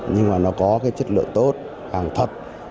nhưng mà nó có cái chất lượng tốt hàng thật